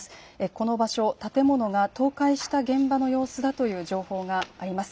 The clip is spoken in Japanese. この場所、建物が倒壊した現場の様子だという情報があります。